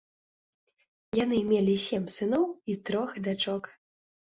Яны мелі сем сыноў і трох дачок.